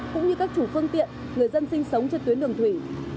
cũng như các chủ phương tiện người dân sinh sống trên tuyến đường thủy